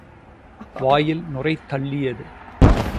வாயில் நுரை தள்ளியது.